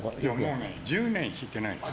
もう１０年弾いてないです。